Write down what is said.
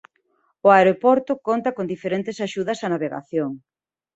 O aeroporto conta con diferentes axudas á navegación.